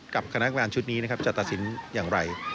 กับคณะกรรมการชุดนี้จะตัดสินอย่างไร